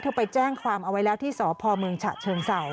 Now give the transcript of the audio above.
เธอไปแจ้งความเอาไว้แล้วที่สพเชิงเศร้า